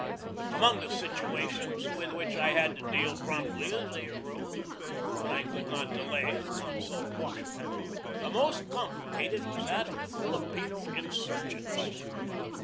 Among the situations with which I had to deal promptly as they arose, when I could not delay to consult Washington, the most complicated was that of the Filipino insurgents.